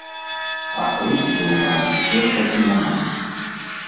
А крытыкі ў нас усё ж такі няма.